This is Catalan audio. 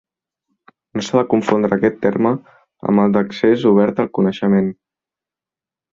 No s'ha de confondre aquest terme amb el d'accés obert al coneixement.